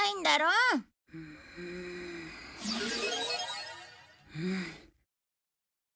うん？